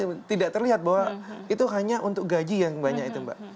tapi tidak terlihat bahwa itu hanya untuk gaji yang banyak itu mbak